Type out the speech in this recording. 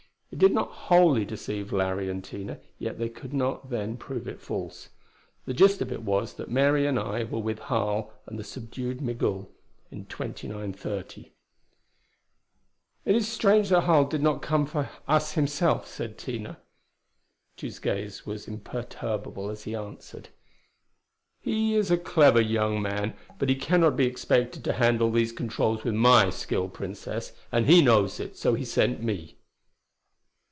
It did not wholly deceive Larry and Tina, yet they could not then prove it false. The gist of it was that Mary and I were with Harl and the subdued Migul in 2930. "It is strange that Harl did not come for us himself," said Tina. Tugh's gaze was imperturbable as he answered. "He is a clever young man, but he cannot be expected to handle these controls with my skill, Princess, and he knows it; so he sent me.